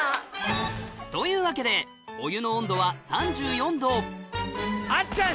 というわけでお湯の温度は３４℃あっちゃん。